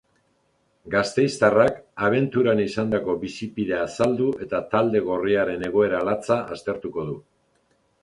Gasteiztarrak abenturan izandako bizipena azaldu eta talde gorriaren egoera latza aztertuko du.